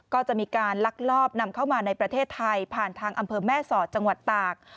ก็จะมีการลักลอบนำเข้ามาในประเทศไทยผ่านทางอำเภอแม่สอดจังหวัดตาก